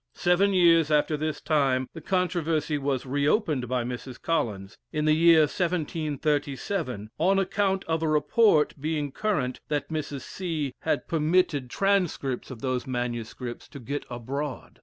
Seven years after this time the controversy was reopened by Mrs. Collins, in the year 1737, on account of a report being current that Mrs. C. had permitted transcripts of those manuscripts to get abroad.